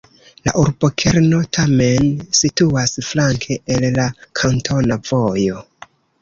La urbokerno tamen situas flanke de la kantona vojo.